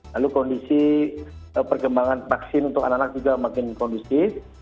lalu kondisi perkembangan vaksin untuk anak anak juga makin kondusif